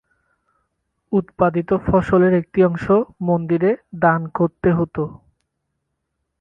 উৎপাদিত ফসলের একটি অংশ মন্দিরে দান করতে হতো।